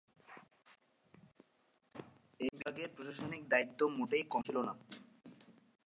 এই বিভাগের প্রশাসনিক দায়িত্ব মোটেই কম ছিল না।